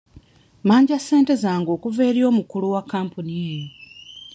Mmanja ssente zange okuva eri omukulu wa kampuni eno.